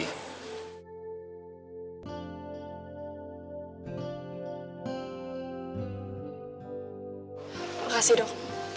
terima kasih dok